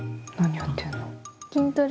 何やってるの？